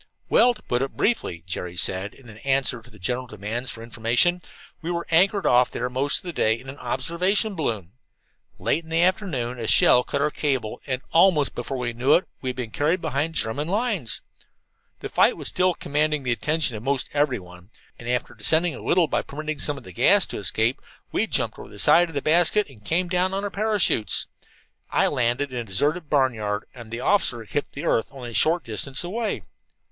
"Well, to put it briefly," Jerry said, in answer to the general demands for information, "we were anchored off there most of the day in an observation balloon. Late in the afternoon a shell cut our cable, and almost before we knew it we had been carried behind the German lines. "The fight was still commanding the attention of almost everyone, and after descending a little by permitting some of the gas to escape, we jumped over the side of the basket and came down on our parachutes. I landed in a deserted barnyard, and the officer hit the earth only a short distance away.